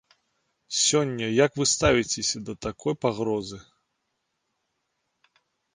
Сёння як вы ставіцеся да такой пагрозы?